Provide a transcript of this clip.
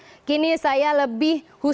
untuk brencana menambahkan ketumbuhan signifikan